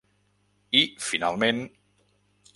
I finalment.